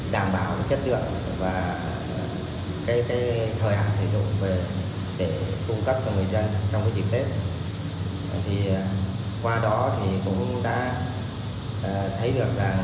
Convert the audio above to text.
đảm bảo chất lượng và thời hạn sử dụng để cung cấp cho người dân